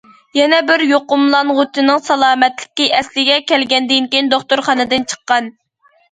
يەنە بىر يۇقۇملانغۇچىنىڭ سالامەتلىكى ئەسلىگە كەلگەندىن كېيىن، دوختۇرخانىدىن چىققان.